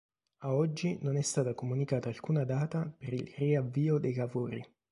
A oggi non è stata comunicata alcuna data per il riavvio dei lavori.